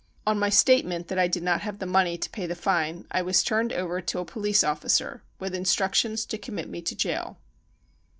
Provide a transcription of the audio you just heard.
On my statement that I did not have the money to pay the fine. I was turned over to a po lice officer with instructions to commit me to jail.